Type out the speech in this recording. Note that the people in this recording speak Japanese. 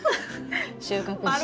収穫して。